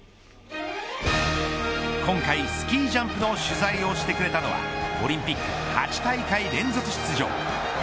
今回、スキージャンプの取材をしてくれたのはオリンピック８大会連続出場